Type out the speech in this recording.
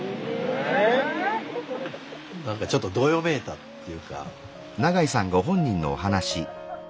何かちょっとどよめいたっていうか。